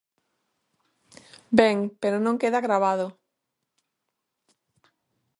Ben, pero non queda gravado.